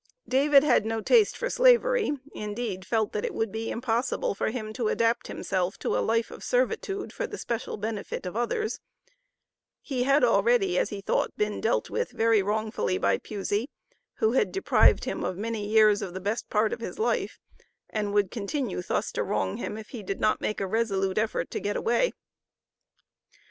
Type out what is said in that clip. David had no taste for Slavery, indeed, felt that it would be impossible for him to adapt himself to a life of servitude for the special benefit of others; he had, already, as he thought, been dealt with very wrongfully by Pusey, who had deprived him of many years of the best part of his life, and would continue thus to wrong him, if he did not make a resolute effort to get away.